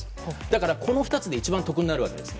だから、この２つで一番得になるわけです。